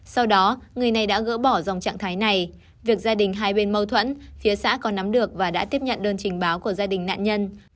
sau đó người này đã gỡ bỏ dòng trạng thái này việc gia đình hai bên mâu thuẫn phía xã có nắm được và đã tiếp nhận đơn trình báo của gia đình nạn nhân